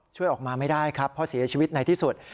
ช่วยออกมาไม่ได้ครับเพราะเสียชีวิตในที่สุด